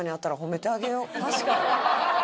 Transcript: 確かに。